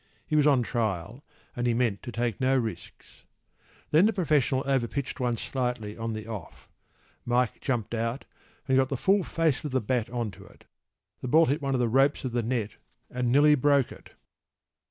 He was on trial, and he meant to take no risks.  Then the professional over pitched one slightly on the off.  Mike jumped out, and got the full face of the bat on to it.  The ball hit one of the ropes of the net, and nearly broke it.